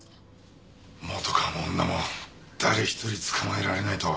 本川も女も誰ひとり捕まえられないとは。